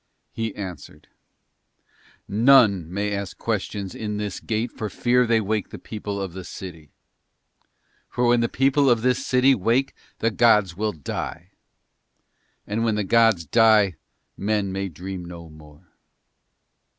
He answered: "None may ask questions in this gate for fear they wake the people of the city. For when the people of this city wake the gods will die. And when the gods die men may dream no more."